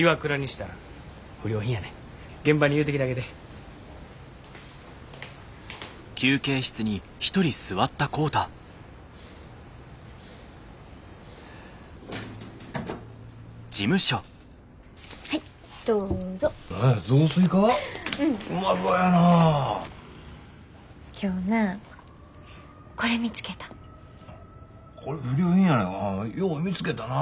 これ不良品やないかよう見つけたな。